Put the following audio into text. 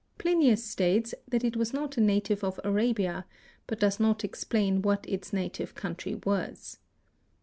Plinius stated that it was not a native of Arabia, but does not explain what its native country was.